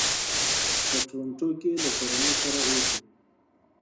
په ټورنټو کې له کورنۍ سره اوسي.